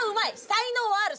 才能はある。